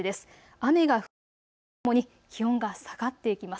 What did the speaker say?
雨が降りだすとともに気温が下がっていきます。